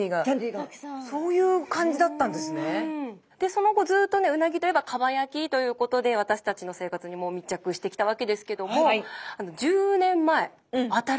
その後ずっとうなぎといえば蒲焼きということで私たちの生活に密着してきたわけですけども１０年前新しい調理法が。